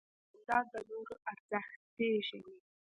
جانداد د نورو ارزښت پېژني.